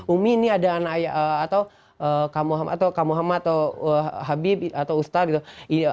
umi ini ada anak ayah atau kamuhamad atau habib atau ustadz gitu